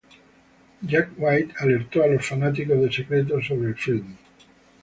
Jack White alertó a los fanáticos de secretos sobre el filme.